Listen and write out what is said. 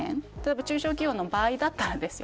中小企業の場合だったらですよ。